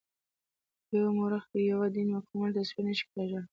یو مورخ د یوه دین مکمل تصویر نه شي کاږلای.